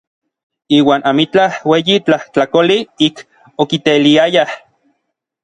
Iuan amitlaj ueyi tlajtlakoli ik okiteiliayaj.